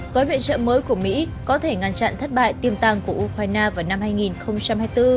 gói viện trợ mới của mỹ có thể ngăn chặn thất bại tiêm tàng của ukraine vào năm hai nghìn hai mươi bốn